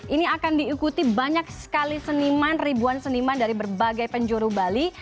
ini akan diikuti banyak sekali seniman ribuan seniman dari berbagai penjuru bali